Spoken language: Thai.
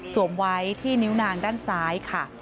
ไว้ที่นิ้วนางด้านซ้ายค่ะ